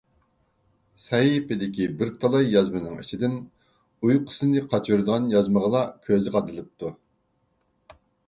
سەھىپىدىكى بىر تالاي يازمىنىڭ ئىچىدىن ئۇيقۇسىنى قاچۇرىدىغان يازمىغىلا كۆزى قادىلىپتۇ.